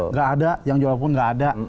nggak ada yang jual pun nggak ada